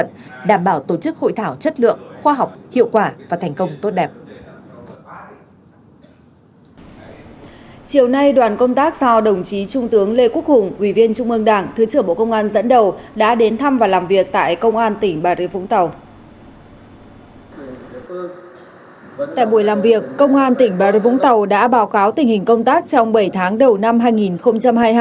tại buổi làm việc công an tỉnh bà rịa vũng tàu đã báo cáo tình hình công tác trong bảy tháng đầu năm hai nghìn hai mươi hai